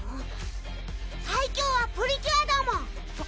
最強はプリキュアだもん！